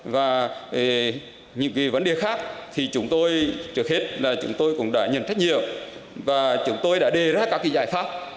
và những vấn đề khác thì chúng tôi trước hết là chúng tôi cũng đã nhận trách nhiệm và chúng tôi đã đề ra các giải pháp